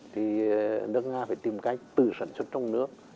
thì nước nga phải tìm cách từ sản xuất trong nước